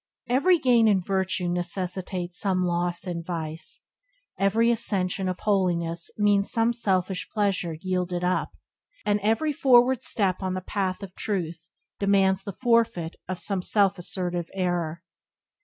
Every gain in virtue necessitates some loss in vice; every accession of holiness means some selfish pleasure yielded up; and every forward step on the path of Truth demands the forfeit of some self assertive error.